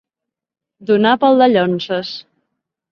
Donar pel dallonses.